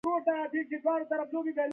ښوروا له پيازو سره ښه بوی لري.